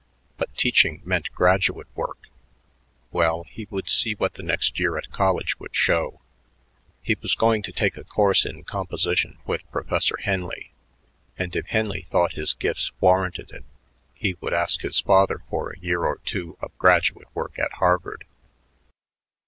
But teaching meant graduate work. Well, he would see what the next year at college would show. He was going to take a course in composition with Professor Henley, and if Henley thought his gifts warranted it, he would ask his father for a year or two of graduate work at Harvard.